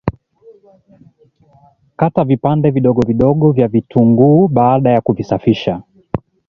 Kata vipande vidogo vidogo vya vitunguu baada ya kuvisafisha